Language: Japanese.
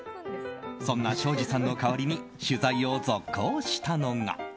そんな庄司さんの代わりに取材を続行したのが。